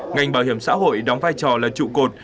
ngành bảo hiểm xã hội đóng vai trò là trụ cột